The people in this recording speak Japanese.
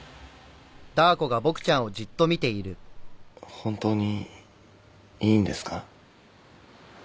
本当にいいんですか？